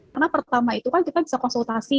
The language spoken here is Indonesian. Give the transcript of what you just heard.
karena pertama itu kan kita bisa konsultasi